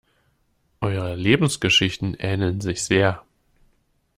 Eure Lebensgeschichten ähneln sich sehr.